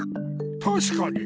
たしかに。